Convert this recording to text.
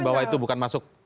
bahwa itu bukan masuk